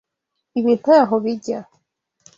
Ibi ntaho bijya.